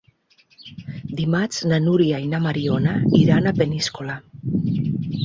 Dimarts na Nura i na Mariona iran a Peníscola.